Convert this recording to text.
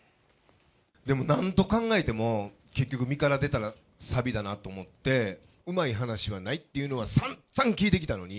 でも何度考えても、結局、身から出たさびだなと思って、うまい話はないっていうのは、さんざん聞いてきたのに。